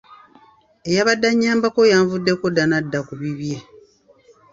Eyabadde annyambako yanvuddeko dda n'adda ku bibye.